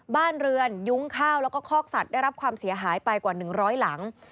บ้านเรือนยุ้งข้าวแล้วก็คอกสัตว์ได้รับความเสียหายไปกว่า๑๐๐หลัง